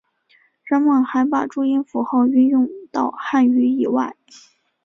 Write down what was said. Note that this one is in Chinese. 人们还把注音符号运用到汉语以外。